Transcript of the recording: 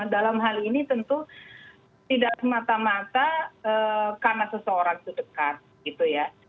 dalam hal ini tentu tidak semata mata karena seseorang itu dekat gitu ya